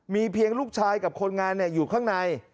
มีเพียงลูกชายกับคนงานอยู่ข้างใน